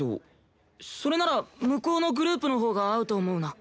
それなら向こうのグループのほうが合うと思うな。